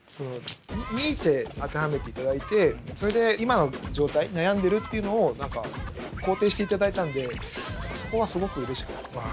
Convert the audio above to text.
ニーチェに当てはめていただいてそれで今の状態悩んでるっていうのを何か肯定していただいたんでそこはすごくうれしかったですね。